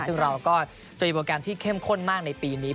ซึ่งเราก็เตรียมโปรแกรมที่เข้มข้นมากในปีนี้